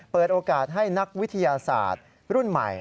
เปิดโอกาสให้นักวิทยาศาสตร์รุ่นใหม่